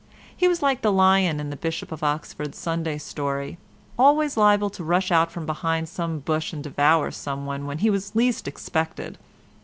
He was like the lion in the Bishop of Oxford's Sunday story—always liable to rush out from behind some bush and devour some one when he was least expected.